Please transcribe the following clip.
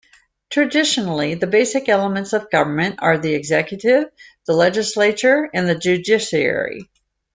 Traditionally, the basic elements of government are the executive, the legislature and the judiciary.